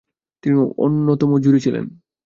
তিনি অন্যতম জুরি ছিলেন ।